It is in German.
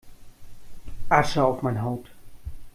Asche auf mein Haupt!